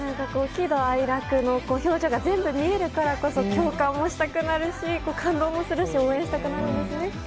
喜怒哀楽の表情が全部見えるからこそ共感もしたくなるし感動もするし応援したくなるんですね。